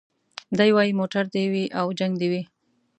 دی وايي موټر دي وي او جنګ دي وي